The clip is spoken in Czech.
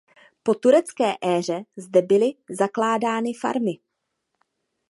Po turecké éře zde byly zakládány farmy.